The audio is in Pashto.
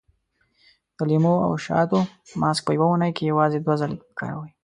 د لیمو او شاتو ماسک په يوه اونۍ کې یوازې دوه ځلې وکاروئ.